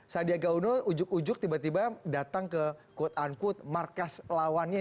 sandiaga uno ujuk ujug tiba tiba datang ke quote unquote markas lawannya